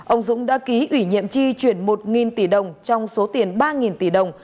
ông dũng đã ký ủy nhiệm tri chuyển một tỷ đồng trong số tiền ba tỷ đồng